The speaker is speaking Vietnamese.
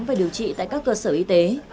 và điều trị tại các cơ sở y tế